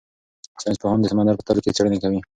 ساینس پوهان د سمندر په تل کې څېړنې کوي.